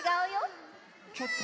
ちょっと？